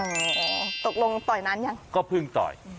ตกลงต่อยนานยังก็เพิ่งต่อย